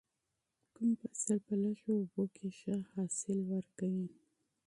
کوم فصل په لږو اوبو کې ښه حاصل ورکوي؟